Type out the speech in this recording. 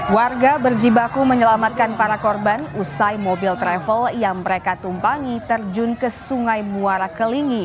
warga berjibaku menyelamatkan para korban usai mobil travel yang mereka tumpangi terjun ke sungai muara kelingi